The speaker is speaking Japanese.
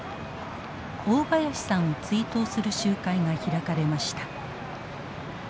大林さんを追悼する集会が開かれました。